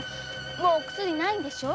もうお薬ないんでしょ。